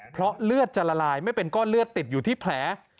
เพราะเลือดจะละลายไม่เป็นก้อนเลือดติดอยู่ที่แผล